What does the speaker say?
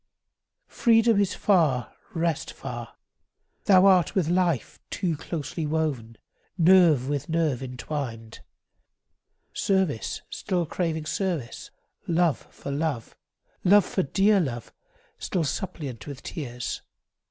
Freedom is far, rest far. Thou art with life Too closely woven, nerve with nerve intwined; Service still craving service, love for love, Love for dear love, still suppliant with tears.